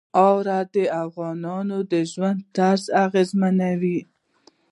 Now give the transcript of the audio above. اوړي د افغانانو د ژوند طرز اغېزمنوي.